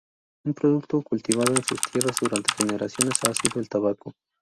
Un producto cultivado en sus tierras durante generaciones ha sido el tabaco.